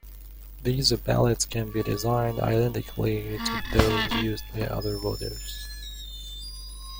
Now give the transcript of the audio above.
These ballots can be designed identically to those used by other voters.